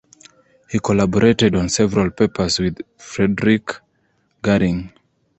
He collaborated on several papers with Frederick Gehring.